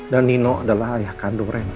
dan nino adalah ayah kandung rena